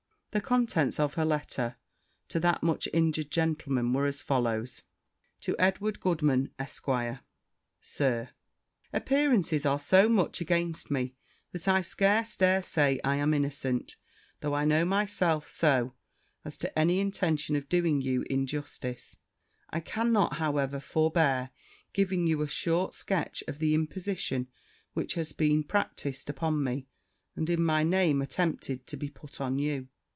The contents of her letter to that much injured gentleman were as follows. 'To Edward Goodman, Esq. Sir, Appearances are so much against me that I scarce dare say I am innocent, though I know myself so, as to any intention of doing you injustice: I cannot, however, forbear giving you a short sketch of the imposition which has been practiced upon me, and in my name attempted to be put on you.